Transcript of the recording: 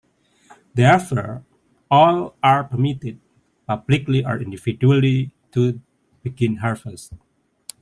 Thereafter all are permitted, publicly or individually, to begin harvest.